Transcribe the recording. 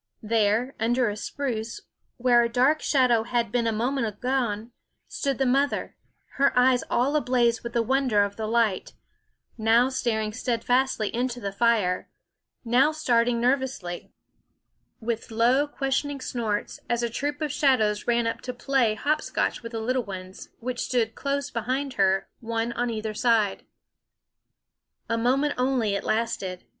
There, under a spruce, where a dark shadow had been a moment agone, stood the mother, her eyes all ablaze with the wonder of the light ; now staring steadfastly into the fire ; now starting nervously, with low ques tioning snorts, as a troop of shadows ran up to play hop scotch with the little ones, who stood close behind her, one on either side. A moment only it lasted.